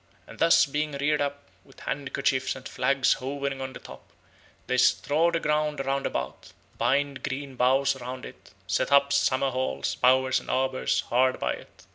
And thus beeing reared up, with handkercheefs and flags hovering on the top, they straw the ground rounde about, binde green boughes about it, set up sommer haules, bowers, and arbors hard by it.